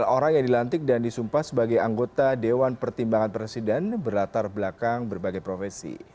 delapan orang yang dilantik dan disumpah sebagai anggota dewan pertimbangan presiden berlatar belakang berbagai profesi